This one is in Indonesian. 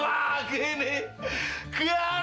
bapak dikerjain lagi nih